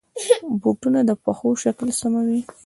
بوټونه د پښو شکل سموي.